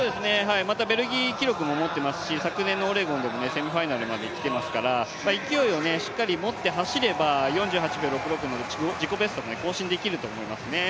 またベルギー記録も持ってますし、昨年のオレゴンでもセミファイナルまできていますから、勢いを持って走れば４８秒６６の自己ベストを更新できると思いますね。